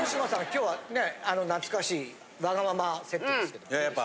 今日は懐かしいわがままセットですけど。